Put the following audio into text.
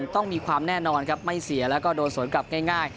ต้องมีความแน่นอนครับไม่เสียแล้วก็โดนสวนกลับง่าย